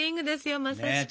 まさしく。